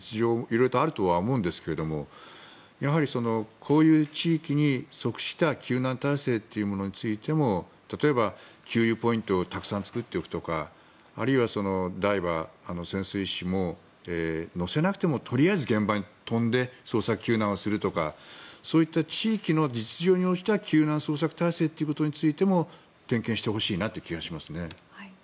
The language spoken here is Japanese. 色々あると思うんですがやはりこういう地域に即した救難体制についても例えば、給油ポイントをたくさん作っておくとかあるいはダイバー、潜水士も乗せなくてもとりあえず現場に飛んで捜索、救難をするとかそういった地域の実情に応じた捜索・救難体制についても点検してほしいなという気がしますね。